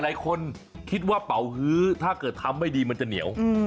หลายคนคิดว่าเป่าฮื้อถ้าเกิดทำไม่ดีมันจะเหนียว